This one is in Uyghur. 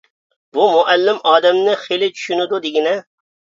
بۇ مۇئەللىم ئادەمنى خېلى چۈشىنىدۇ دېگىنە.